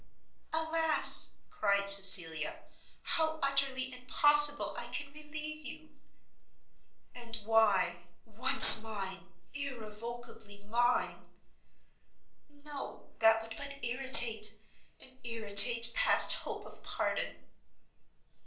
"Alas!" cried Cecilia, "how utterly impossible I can relieve you!" "And why? once mine, irrevocably mine ." "No, that would but irritate, and irritate past hope of pardon."